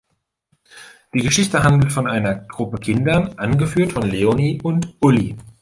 Die Geschichte handelt von einer Gruppe Kindern, angeführt von Leonie und Ulli.